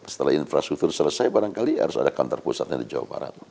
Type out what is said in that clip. setelah infrastruktur selesai barangkali harus ada kantor pusatnya di jawa barat